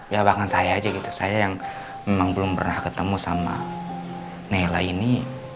ya bahkan saya aja gitu saya yang memang belum pernah ketemu sama nela ini